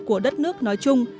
của đất nước nói chung